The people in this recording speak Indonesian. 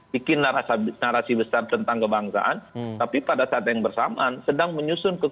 bikin narasi besar tentang kebangsaan tapi pada saat yang bersamaan sedang menyusun kekuatan